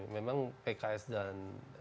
memang pks dan